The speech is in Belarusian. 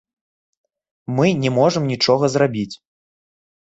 Мы не можам нічога зрабіць.